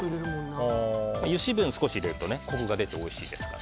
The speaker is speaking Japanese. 油脂分を少し入れるとコクが出ておいしいですから。